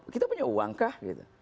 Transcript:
kita punya uang kah